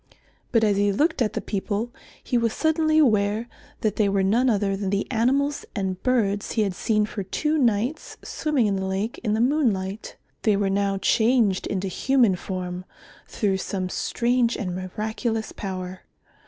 But as he looked at the people he was suddenly aware that they were none other than the animals and birds he had seen for two nights swimming in the lake in the moonlight. They were now changed into human form, through some strange and miraculous power.